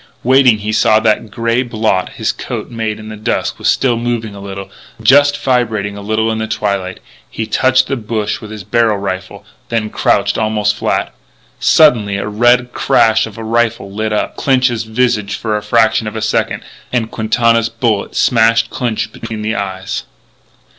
Waiting, he saw that the grey blot his coat made in the dusk was still moving a little just vibrating a little bit in the twilight. He touched the bush with his rifle barrel, then crouched almost flat. Suddenly the red crash of a rifle lit up Clinch's visage for a fraction of a second. And Quintana's bullet smashed Clinch between the eyes.